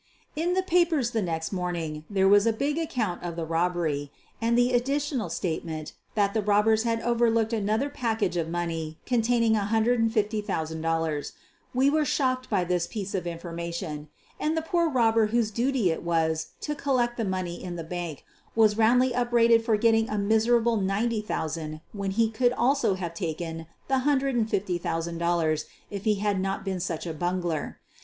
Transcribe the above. In the papers the next morning there was a big account of the robbery, and the additional state ment that the robbers had overlooked another pack age of moiir?/ containing $150,000. We were shocked by this piece of information, and the poor robber 184 SOPHIE LYONS whose duty it was to collect the money in the bank was roundly upbraided for getting a miserable ninety thousand when he could also have taken the $150,000 if he had not been such a bungler.